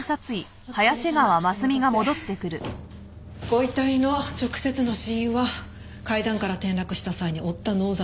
ご遺体の直接の死因は階段から転落した際に負った脳挫傷。